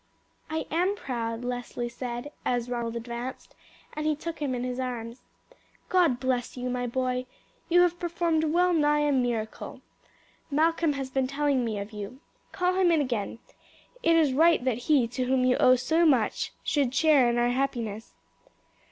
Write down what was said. "I am proud," Leslie said as Ronald advanced, and he took him in his arms. "God bless you, my boy. You have performed well nigh a miracle. Malcolm has been telling me of you. Call him in again. It is right that he to whom you owe so much should share in our happiness."